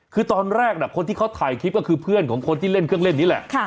คือตอนแรกคนที่เขาถ่ายคลิปก็คือเพื่อนของคนที่เล่นเครื่องเล่นนี่แหละ